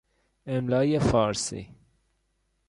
املای فارسی